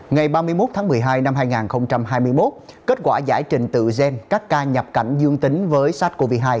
ngày ba mươi một tháng một mươi hai năm hai nghìn hai mươi một kết quả giải trình tự gen các ca nhập cảnh dương tính với sars cov hai